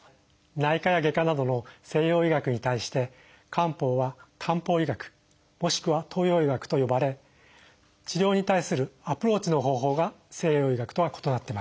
内科や外科などの西洋医学に対して漢方は漢方医学もしくは東洋医学と呼ばれ治療に対するアプローチの方法が西洋医学とは異なってまいります。